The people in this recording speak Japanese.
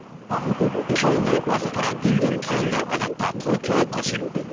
きょうも朝からぐんぐん気温が上がった東京都心。